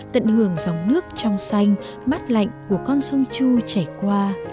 tận hưởng dòng nước trong xanh mát lạnh của con sông chu trải qua